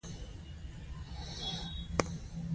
د پام وړ کارونه ورته وشول.